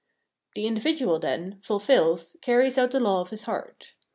The individual, then, fulfils, carries out the law of his heart.